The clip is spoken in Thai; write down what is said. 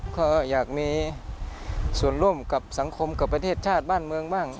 ก็อยากมีส่วนร่วมกับสังคมกับประเทศชาติบ้านเมืองบ้าง